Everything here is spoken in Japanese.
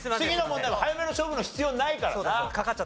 次の問題も早めの勝負の必要ないからな。